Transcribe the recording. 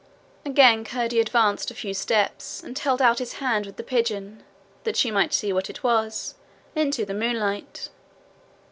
Again Curdie advanced a few steps, and held out his hand with the pigeon, that she might see what it was, into the moonlight.